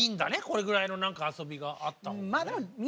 これぐらいの遊びがあった方がね。